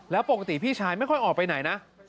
แล้วปกติพี่ชายไม่ค่อยออกไปไหนนะ